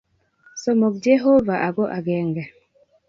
Somok J ehovah ago agenge.